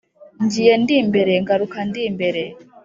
Ngiye ndi imbere ngaruka ndi imbere-